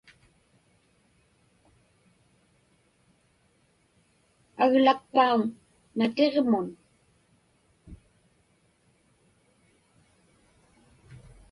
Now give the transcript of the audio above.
Aglakpauŋ natiġmun?